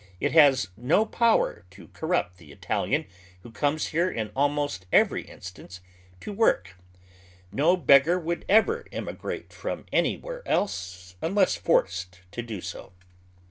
It has no power to corrupt the Italian, who comes here in almost every instance to work — no beggar would ever emigrate from anywhere unless forced to do so.